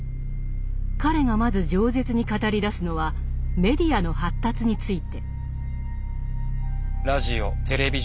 彼がまず饒舌に語りだすのはメディアの発達について。